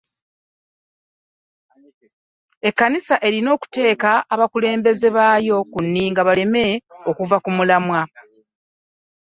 Ekkanisa erina okuteeka abakulembeze baayo ku nninga baleme kuva ku mulamwa.